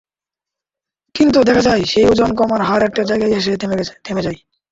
কিন্তু দেখা যায়, সেই ওজন কমার হার একটা জায়গায় এসে থেমে যায়।